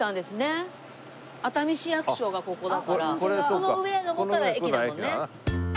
この上上ったら駅だもんね。